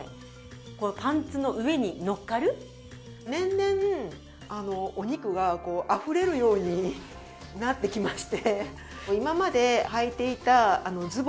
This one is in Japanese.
年々お肉があふれるようになってきまして。